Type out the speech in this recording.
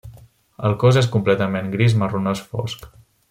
El cos és completament gris-marronós fosc.